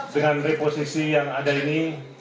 dengan reposisi yang ada ini